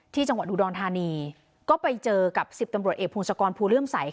ที่จังหวัดอุดรธานีก็ไปเจอกับ๑๐ตำรวจเอกพงศกรภูเลื่อมใส